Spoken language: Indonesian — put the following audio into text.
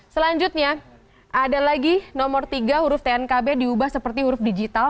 selanjutnya ada lagi nomor tiga huruf tnkb diubah seperti huruf digital